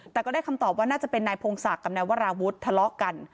แต่ก็ได้คำตอบว่าน่าจะเป็นนายพงศักดิ์กับนายวราวุฒิทะเลาะกัน